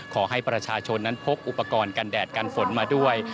ขอให้ประชาชนนั้นพกอุปกรณ์กันแดดกันฝนมาด้วย